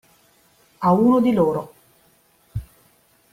A uno di loro.